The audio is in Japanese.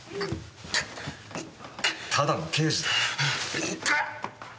ただの刑事だ。